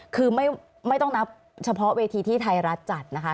คือไม่ต้องนับเฉพาะเวทีที่ไทยรัฐจัดนะคะ